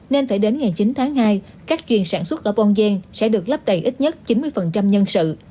nên phải đến ngày chín tháng hai các chuyền sản xuất ở bông gian sẽ được lắp đầy ít nhất chín mươi nhân sự